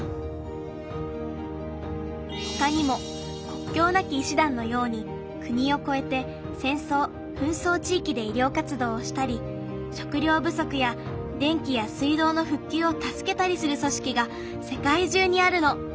ほかにも国境なき医師団のように国をこえて戦争・紛争地域で医りょう活動をしたり食料ぶそくや電気や水道のふっきゅうを助けたりするそしきが世界中にあるの。